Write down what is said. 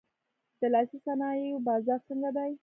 د لاسي صنایعو بازار څنګه دی؟